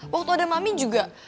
waktu ada mami juga